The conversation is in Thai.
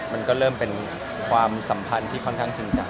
มันก็เริ่มเป็นความสัมพันธ์ที่ค่อนข้างจริงจัง